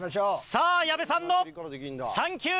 さあ矢部さんの３球目！